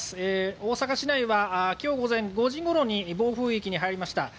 大阪市内は今日午前５時ごろに暴風域に入りました。